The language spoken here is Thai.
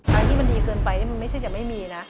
ทางที่มันดีเกินไปนี่มันไม่ใช่จะไม่มีนะ